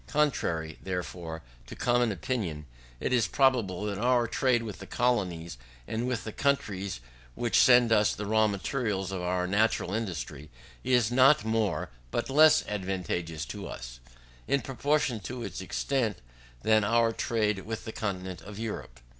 Contrary, therefore, to common opinion, it is probable that our trade with the colonies, and with the countries which send us the raw materials of our national industry, is not more but less advantageous to us, in proportion to its extent, than our trade with the continent of Europe.